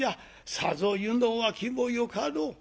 さぞ湯の沸きもよかろう。